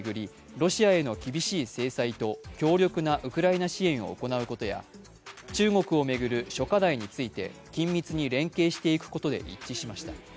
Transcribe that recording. ロシアへの厳しい制裁と強力なウクライナ支援を行うことや中国を巡る諸課題について緊密に連携していくことで一致しました。